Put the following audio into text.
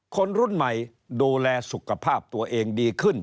คนรุ่นใหม่ดูแลสุขภาพตัวเองดีขึ้น